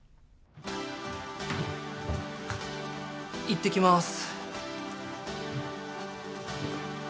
いってきます。